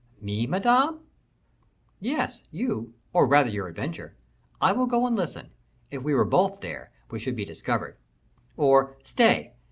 "Me, Madame?" "Yes, you or rather your adventure. I will go and listen; if we were both there, we should be discovered. Or, stay!